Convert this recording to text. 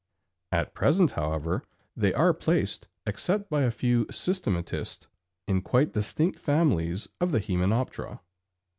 At present, however, they are placed, except by a few systematists, in quite distinct families of the Hymenoptera.